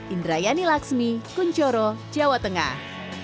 indrayani laksmi kunchoro jawa tengah